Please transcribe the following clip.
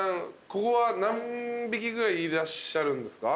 ここは何匹ぐらいいらっしゃるんですか？